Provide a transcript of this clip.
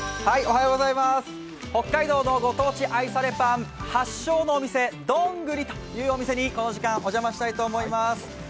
北海道のご当地愛されパン発祥のお店どんぐりというお店にこの時間はお邪魔したいと思います。